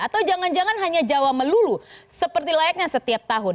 atau jangan jangan hanya jawa melulu seperti layaknya setiap tahun